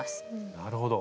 なるほど。